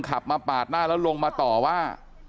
ขับมาปาดหน้าแล้วลงมาต่อว่า